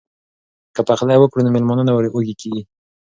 که پخلی وکړو نو میلمانه نه وږي کیږي.